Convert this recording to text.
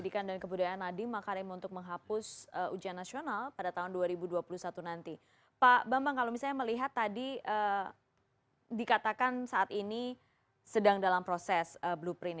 terima kasih pak menteri